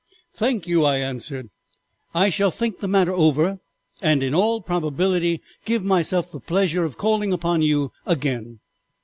"'Thank you,' I answered. 'I shall think the matter over and in all probability give myself the pleasure of calling upon you again.'